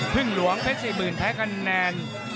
พึ่งหลวงเพชรสี่หมื่นแพ้คะแนน